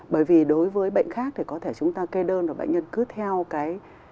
bởi vì đối với bệnh khác thì có thể chúng ta kê đơn và bệnh nhân cứ theo cái